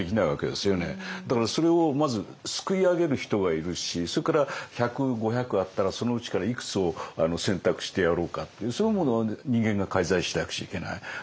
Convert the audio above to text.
だからそれをまずすくい上げる人が要るしそれから１００５００あったらそのうちからいくつを選択してやろうかっていうそういうものは人間が介在しなくちゃいけない。